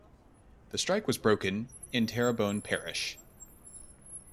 The strike was broken in Terrebone Parish.